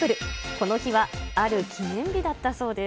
この日はある記念日だったそうです。